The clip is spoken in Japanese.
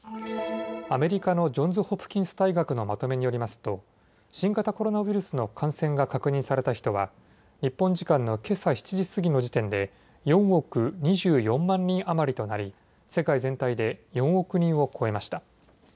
アメリカのジョンズ・ホプキンス大学のまとめによりますと新型コロナウイルスの感染が確認された人は日本時間のけさ７時過ぎの時点で４億２４万人余りとなり世界全体で４億人を超えました。